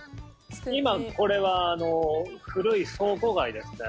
今、これは古い倉庫街ですね。